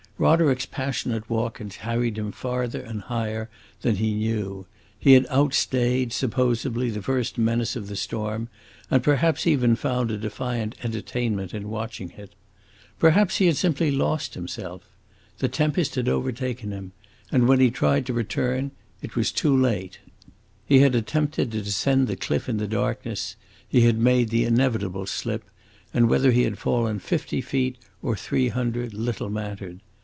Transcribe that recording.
Roderick's passionate walk had carried him farther and higher than he knew; he had outstayed, supposably, the first menace of the storm, and perhaps even found a defiant entertainment in watching it. Perhaps he had simply lost himself. The tempest had overtaken him, and when he tried to return, it was too late. He had attempted to descend the cliff in the darkness, he had made the inevitable slip, and whether he had fallen fifty feet or three hundred little mattered.